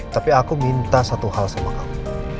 tapi aku minta satu hal sama aku